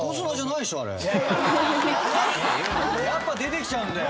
「やっぱ出てきちゃうんだよ」